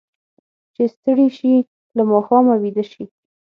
چې ستړي شي، له ماښامه ویده شي.